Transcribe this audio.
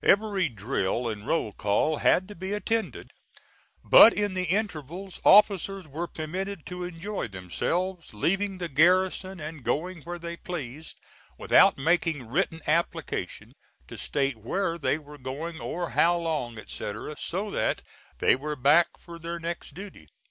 Every drill and roll call had to be attended, but in the intervals officers were permitted to enjoy themselves, leaving the garrison, and going where they pleased, without making written application to state where they were going for how long, etc., so that they were back for their next duty.